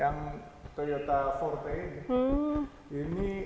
yang toyota forte ini